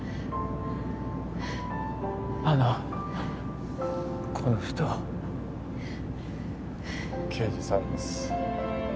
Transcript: あのこの人刑事さんです